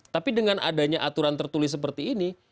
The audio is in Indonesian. tapi dengan adanya aturan tertulis seperti ini